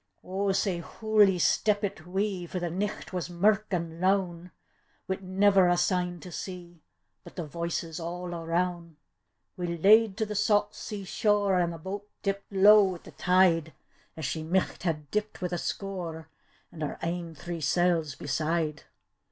O sae hooly steppit we, For the nicht was mirk an' lown, Wi' never a sign to see, But the voices all aroun'. We laid to the saut sea shore, An' the boat dipped low i' tb' tide. As she micht bae dipped wi' a score, An' our ain three scl's beside.